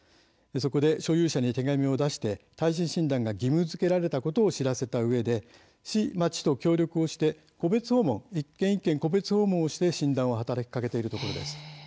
所有者に手紙を出して耐震診断が義務づけられたことを知らせたうえで市や町と協力をして一軒一軒、個別訪問をして診断を働きかけているということです。